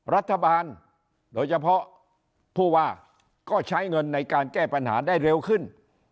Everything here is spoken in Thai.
รัฐบาลโดยเฉพาะผู้ว่าก็ใช้เงินในการแก้ปัญหาได้เร็วขึ้น